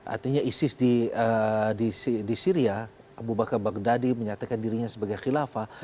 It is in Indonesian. artinya isis di syria abu bakar baghdadi menyatakan dirinya sebagai khilafah